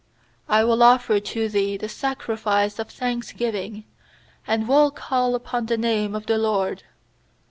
17I will offer to Thee the sacrifice of thanksgiving, And will call upon the name of the LORD.